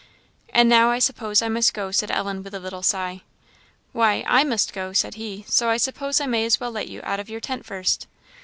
"And now, I suppose I must go," said Ellen, with a little sigh. "Why, I must go," said he; "so I suppose I may as well let you out of your tent first."